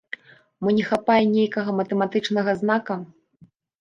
Мо не хапае нейкага матэматычнага знака?